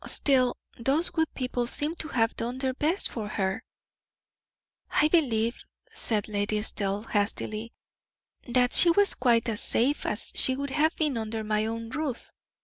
Still, those good people seem to have done their best for her." "I believe," said Lady Estelle, hastily, "that she was quite as safe as she would have been under my own roof.